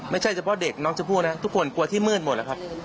ไม่ใช่เฉพาะเด็กน้องชมพู่นะทุกคนกลัวที่มืดหมดแล้วครับ